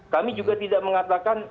kami juga tidak mengatakan